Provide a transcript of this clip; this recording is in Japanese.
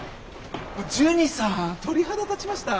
ジュニさん鳥肌立ちました。